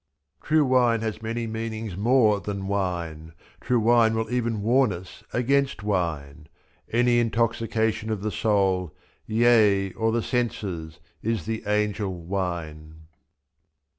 True wine has many meanings more than wine. True wine will even warn us against wine — Z^o Any intoxication of the soul. Yea ! or the senses, is the angel Wine.